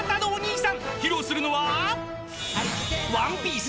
［披露するのは］